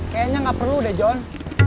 kayaknya nggak perlu deh john